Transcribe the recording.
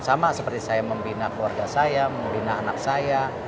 sama seperti saya membina keluarga saya membina anak saya